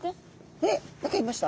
えっ何かいました？